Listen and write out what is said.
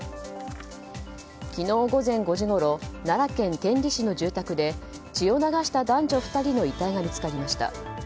昨日午前５時ごろ奈良県天理市の住宅で血を流した男女２人の遺体が見つかりました。